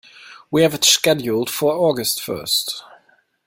We have it scheduled for August first.